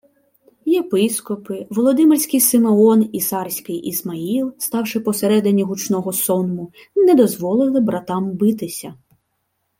Єпископи, Володимирський Симеон і Сарський Ісмаїл, ставши посередині гучного сонму, не дозволили братам битися